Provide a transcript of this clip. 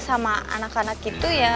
sama anak anak itu ya